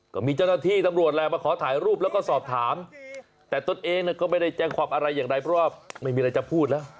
ก็มีเจ้าหน้าที่ตำรวจแหละมาขอถ่ายรูปแล้วก็สอบถามแต่ตนเองก็ไม่ได้แจ้งความอะไรอย่างใดเพราะว่าไม่มีอะไรจะพูดแล้ว